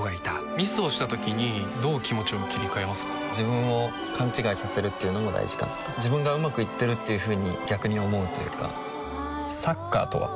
ミスをした時にどう気持ちを切り替えますか自分を勘違いさせるっていうのも大事かなと自分がうまくいってるっていうふうに逆に思うというかサッカーとは？